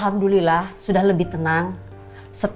dia nyanyi ini udah di joining the party